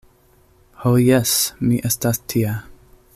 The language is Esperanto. Ho jes! mi estas tia.